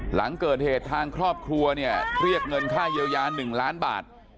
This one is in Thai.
หลังเกิดเหตุทางครอบครัวเนี่ยเรียกเงินค่าเยียวยา๑ล้านบาท